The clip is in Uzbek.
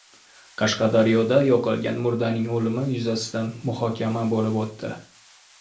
Qashqadaryoda yoqilgan murdaning o‘limi yuzasidan muhokama bo‘lib o‘tdi